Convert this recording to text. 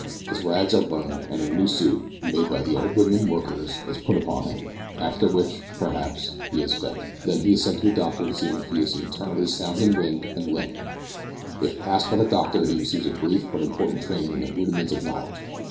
His rags are burned, and a new suit, made by the old women workers, is put upon him, after which, perhaps, he is fed. Then he is sent to a doctor to see that he is internally sound in wind and limb. If passed by the doctor, he receives a brief but important training in the rudiments of knowledge.